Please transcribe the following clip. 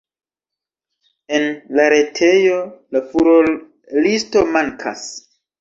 En la retejo la furorlisto mankas.